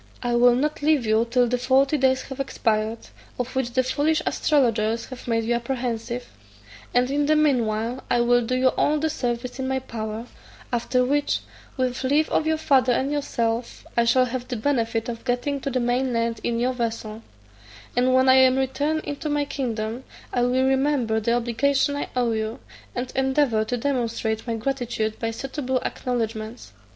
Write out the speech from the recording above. I will not leave you till the forty days have expired, of which the foolish astrologers have made you apprehensive; and in the mean while I will do you all the service in my power: after which, with leave of your father and yourself, I shall have the benefit of getting to the main land in your vessel; and when I am returned into my kingdom, I will remember the obligations I owe you, and endeavour to demonstrate my gratitude by suitable acknowedgments."